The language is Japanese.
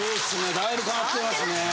だいぶ変わってますね。